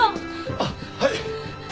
あっはい。